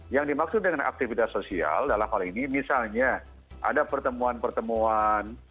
yang dimaksud dengan aktivitas sosial dalam hal ini misalnya ada pertemuan pertemuan